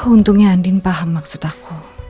untungnya andin paham maksud aku